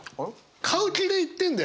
買う気で行ってんだよ。